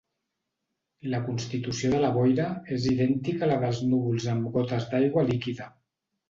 La constitució de la boira és idèntica a la dels núvols amb gotes d'aigua líquida.